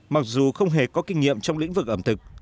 mặc dù không hề có kinh nghiệm trong lĩnh vực ẩm thực